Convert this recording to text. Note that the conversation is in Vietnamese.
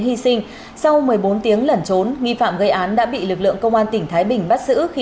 hy sinh sau một mươi bốn tiếng lẩn trốn nghi phạm gây án đã bị lực lượng công an tỉnh thái bình bắt giữ khi